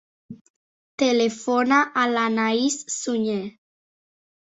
Telefona a l'Anaïs Suñer.